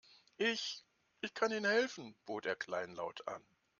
Ich, ich kann Ihnen helfen, bot er kleinlaut an.